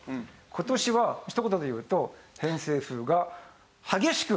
今年はひと言で言うと激しく。